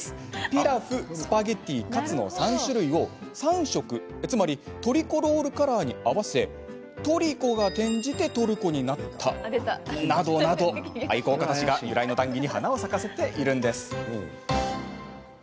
ピラフ、スパゲッティ、カツの３種類を３色、つまりトリコロールカラーに合わせトリコが転じてトルコになったなどなど愛好家たちが由来の談義に花を咲かせているんです。